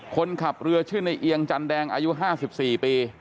คนขับเรือชื่อในเอียงจันแดงอายุ๕๔ปี